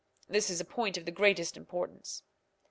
This is a point of the greatest importance.